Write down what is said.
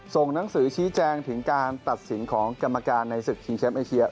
ส่งหนังสือชี้แจงถึงการตัดสินของกรรมการในศึกชิงแชมป์เอเชีย